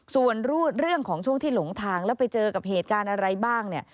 ส่วนรูดเรื่องของช่วงที่หลงทางแล้วไปเจอกับเหตุการณ์อะไรบ้างเนี่ย